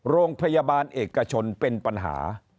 โรงพยาบาลเอกชนเป็นปัญหา